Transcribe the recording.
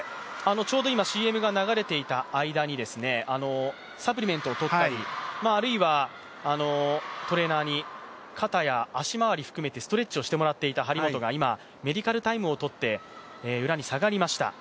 ちょうど今ＣＭが流れていた間にサプリメントをとったりあるいはトレーナーに肩や足回り含めてストレッチをしてもらっていた張本が今、メディカルタイムをとって、裏に下がりました。